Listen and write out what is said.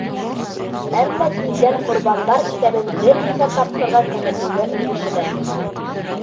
Әммә тиҙҙән ҡорбандар иҫәбен бер нисә тапҡырға кәметеүгә өлгәшәләр.